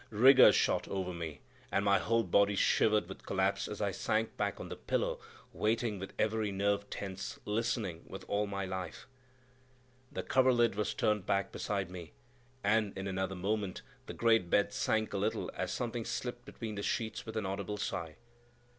Rigors shot over me, and my whole body shivered with collapse as I sank back on the pillow, waiting with every nerve tense, listening with all my life. The coverlid was turned back beside me, and in another moment the great bed sank a little as something slipped between the sheets with an audible sigh.